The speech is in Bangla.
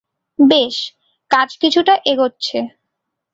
বেশ, কাজ কিছুটা এগোচ্ছে।